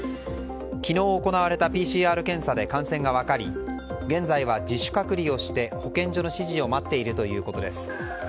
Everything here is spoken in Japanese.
昨日行われたＰＣＲ検査で感染が分かり現在は自主隔離をして保健所の指示を待っているということです。